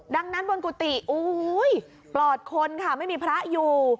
ดังนั้นวงค์กุฏิอู้ยปลอดคลิกค่ะไม่มีพระอยู่